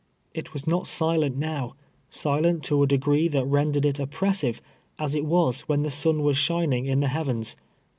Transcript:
It was not silent now — silent to a degree that rendered it oppressive, — as it was when the sun was shining in the heavens.